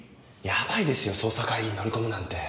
やばいですよ捜査会議に乗り込むなんて。